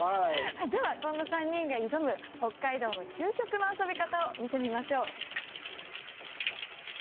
ではこの３人が挑む北海道の究極の遊び方を見てみましょう。